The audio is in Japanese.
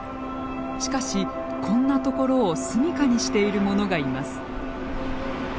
しかしこんなところを住みかにしているものがいます。